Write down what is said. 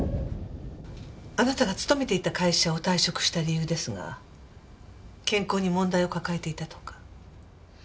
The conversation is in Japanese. あなたが勤めていた会社を退職した理由ですが健康に問題を抱えていたとか。